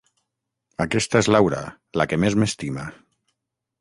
Aquesta és Laura, la que més m’estima.